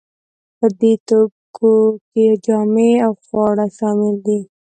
په دې توکو کې جامې او خواړه شامل دي.